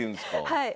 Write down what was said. はい。